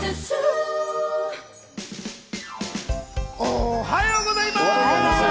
おはようございます！